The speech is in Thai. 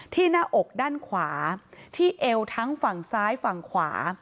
หน้าอกด้านขวาที่เอวทั้งฝั่งซ้ายฝั่งขวา